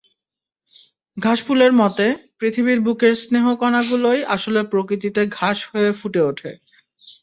ঘাসফুলের মতে, পৃথিবীর বুকের স্নেহ-কণাগুলোই আসলে প্রকৃতিতে ঘাস হয়ে ফুটে ওঠে।